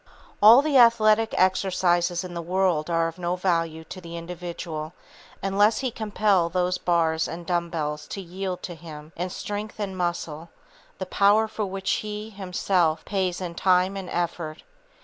All the athletic exercises in the world are of no value to the individual unless he compel those bars and dumb bells to yield to him, in strength and muscle, the power for which he, himself, pays in time and effort.